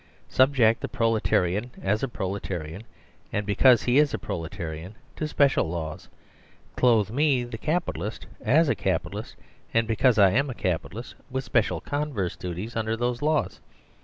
Subject the prole tarian, as a proletarian, and because he is a proletarian, to special laws. Clothe me, the Capitalist, as a Capi talist, and because I am a Capitalist, with special converse duties under those laws.